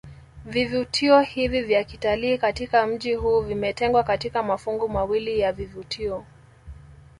Vivutio hivi vya kitalii katika mji huu vimetengwa katika mafungu mawili ya vivutio